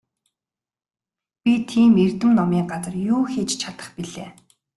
Би тийм эрдэм номын газар юу хийж чадах билээ?